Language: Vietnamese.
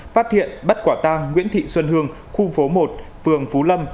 phát hiện bắt quả tang nguyễn thị xuân hương khu phố một phường phú lâm